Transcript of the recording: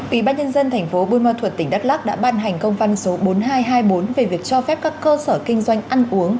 ủy ban nhân dân tỉnh bình dương đã ban hành công văn số bốn nghìn hai trăm hai mươi bốn về việc cho phép các cơ sở kinh doanh ăn uống